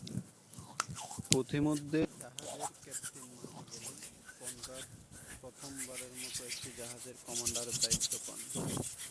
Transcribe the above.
পথিমধ্যে জাহাজের ক্যাপ্টেন মারা গেলে কনরাড প্রথম বারের মত একটি জাহাজের কমান্ডারের দায়িত্ব পান।